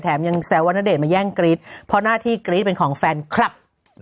ยังแซวว่าณเดชนมาแย่งกรี๊ดเพราะหน้าที่กรี๊ดเป็นของแฟนคลับ